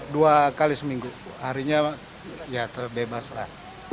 dua kali seminggu harinya ya terbebas lah